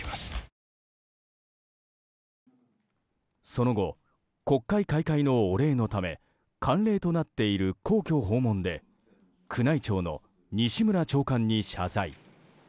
その後、国会開会のお礼のため慣例となっている皇居訪問で宮内庁の西村長官に謝罪。